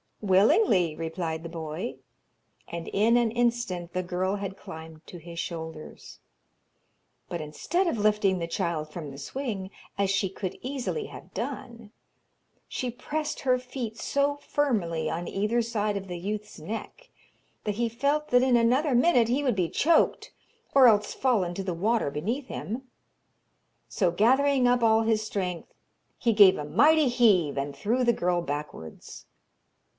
'Willingly,' replied the boy, and in an instant the girl had climbed to his shoulders. But instead of lifting the child from the swing, as she could easily have done, she pressed her feet so firmly on either side of the youth's neck, that he felt that in another minute he would be choked, or else fall into the water beneath him. So gathering up all his strength, he gave a mighty heave, and threw the girl backwards.